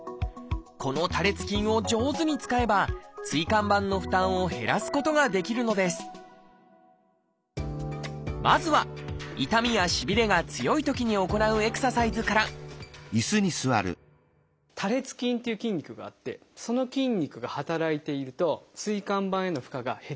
この多裂筋を上手に使えば椎間板の負担を減らすことができるのですまずは痛みやしびれが強いときに行うエクササイズから多裂筋っていう筋肉があってその筋肉が働いていると椎間板への負荷が減ります。